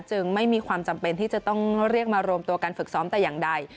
ไม่มีความจำเป็นที่จะต้องเรียกมารวมตัวการฝึกซ้อมแต่อย่างใด